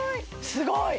すごい！